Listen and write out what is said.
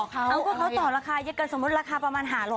เขาก็เขาต่อราคาเยอะเกินสมมุติราคาประมาณ๕๐๐